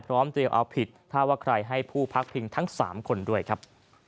เตรียมเอาผิดถ้าว่าใครให้ผู้พักพิงทั้ง๓คนด้วยครับ